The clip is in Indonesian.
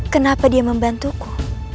kenapa dia membantuku